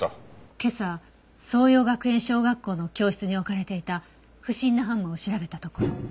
今朝爽葉学園小学校の教室に置かれていた不審なハンマーを調べたところ。